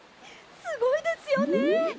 すごいですよね。